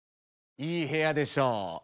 いい部屋でしょ。